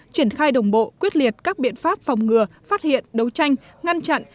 triển khai đồng bộ quyết liệt các biện pháp phòng ngừa phát hiện đấu tranh ngăn chặn